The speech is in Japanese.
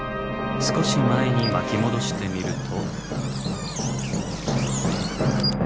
少し前に巻き戻してみると。